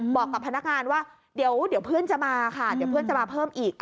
บอกกับพนักงานว่าเดี๋ยวเพื่อนจะมาค่ะเดี๋ยวเพื่อนจะมาเพิ่มอีก